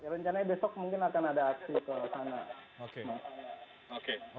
rencananya besok mungkin akan ada aksi ke sana